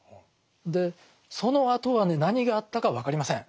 でそのあとはね何があったか分かりません。